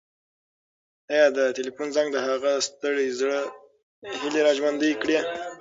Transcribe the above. ایا د تلیفون زنګ د هغه د ستړي زړه هیلې راژوندۍ کړې؟